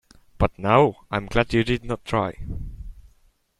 But now, I’m glad you did not try.